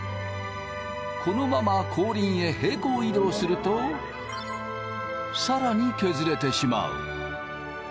このまま後輪へ平行移動すると更に削れてしまう。